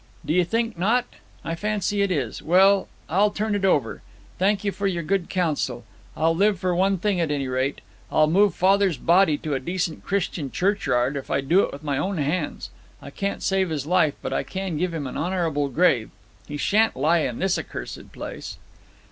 'D'ye think not? I fancy it is! ... Well, I'll turn it over. Thank you for your good counsel. I'll live for one thing, at any rate. I'll move father's body to a decent Christian churchyard, if I do it with my own hands. I can't save his life, but I can give him an honourable grave. He shan't lie in this accursed place!'